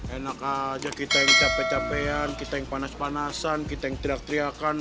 enak aja kita yang capek capekan kita yang panas panasan kita yang teriak teriakan